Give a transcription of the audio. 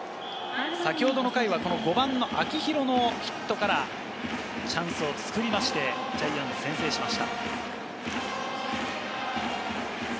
先ほどの回はこの５番の秋広のヒットからチャンスを作りまして、ジャイアンツ先制しました。